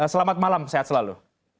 selamat malam sehat selalu